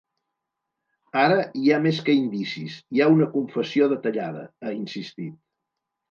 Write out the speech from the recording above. Ara hi ha més que indicis, hi ha una confessió detallada, ha insistit.